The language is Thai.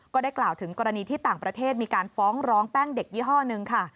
ก็ได้กล่าวถึงกรณีที่ต่างประเทศมีการฟ้องร้องแป้งเด็กยี่ห้อหนึ่งค่ะ